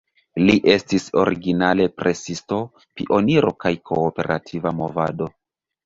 Li estis originale presisto, pioniro de kooperativa movado.